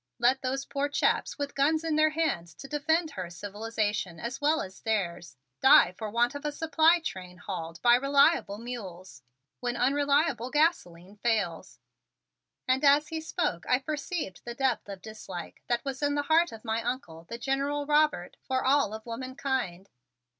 Let those poor chaps with guns in their hands to defend her civilization as well as theirs, die for want of a supply train hauled by reliable mules when unreliable gasoline fails. That's what women are like." And as he spoke I perceived the depth of dislike that was in the heart of my Uncle, the General Robert, for all of womankind.